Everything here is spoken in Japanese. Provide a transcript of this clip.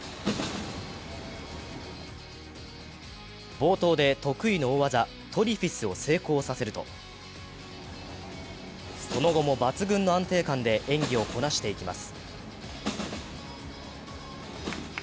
冒頭で得意の大技、トリフィスを成功させると、その後も、抜群の安定感で演技をこなしていきます。